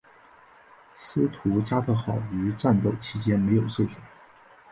斯图加特号于战斗期间没有受损。